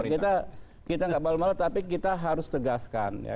kita kita nggak malu malu tapi kita harus tegaskan ya